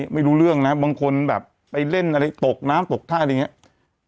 ไม่รู้เรื่องนะบางคนแบบไปเล่นอะไรตกน้ำตกท่าอะไรอย่างนี้